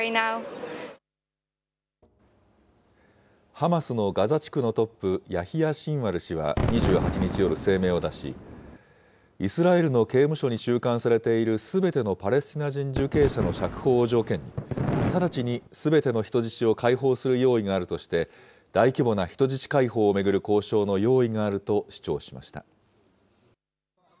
ハマスのガザ地区のトップ、ヤヒヤ・シンワル氏は２８日夜、声明を出し、イスラエルの刑務所に収監されているすべてのパレスチナ人受刑者の釈放を条件に、直ちにすべての人質を解放する用意があるとして、大規模な人質解放を巡る交渉の用意があると主張しました。